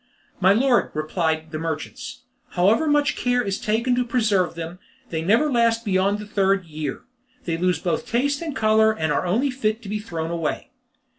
"My lord," replied the merchants, "however much care is taken to preserve them, they never last beyond the third year. They lose both taste and colour, and are only fit to be thrown away."